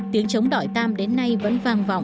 tiếng trống đội tan đến nay vẫn vang vọng